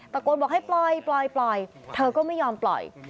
ประกวดบอกให้ปล่อยปล่อยปล่อยเธอก็ไม่ยอมปล่อย